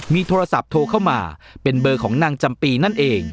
มีโทรศัพท์โทรเข้ามาเป็นเบอร์ของนางจำปีนั่นเอง